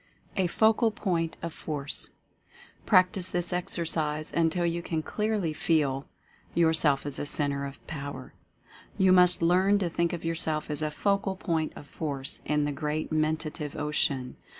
A FOCAL POINT OF FORCE. Practice this exercise until you can clearly feel Establishing a Mentative Centre 183 yourself as a Centre of Power. You must learn to think of yourself as a Focal Point of Force in the Great Mentative Ocean.